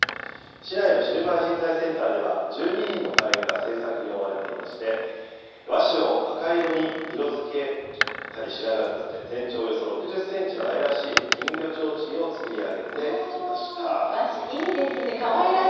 市内のシルバー人材センターでは、１２人の会員が製作に追われていまして、和紙を赤色に色づけたりしながら、全長およそ６０センチの愛らしい金魚ちょうちんを作り上げていき和紙、いいですね。